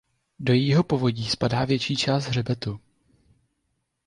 Do jejího povodí spadá větší část hřbetu.